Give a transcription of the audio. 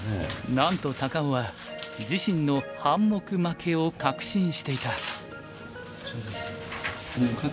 なんと高尾は自身の半目負けを確信していた。